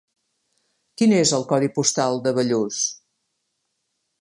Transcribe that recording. Quin és el codi postal de Bellús?